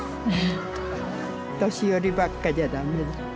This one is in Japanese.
年寄りばっかじゃ駄目だ。